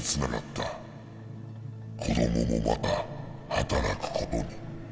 子供もまた働くことに。